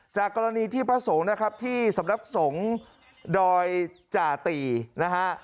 จากกรณีที่พระสงฆ์นะครับที่สำนักสงฆ์ดอยจ่าตีนะฮะ